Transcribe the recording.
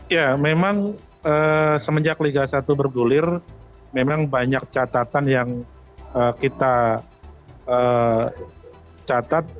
ya memang semenjak liga satu bergulir memang banyak catatan yang kita catat